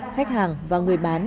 khách hàng và người bán